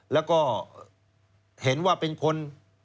แล้วก็เห็นว่าเป็นคน